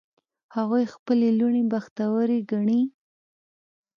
هغوی خپلې لوڼې بختوری ګڼي